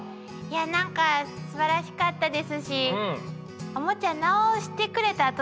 いやなんかすばらしかったですしおもちゃ直してくれた